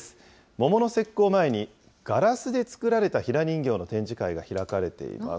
桃の節句を前に、ガラスで作られたひな人形の展示会が開かれています。